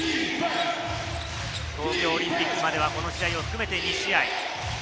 東京オリンピックまではこの試合を含めて２試合。